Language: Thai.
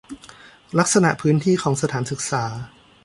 ลักษณะพื้นที่ของสถานศึกษา